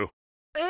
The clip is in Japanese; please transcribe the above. え？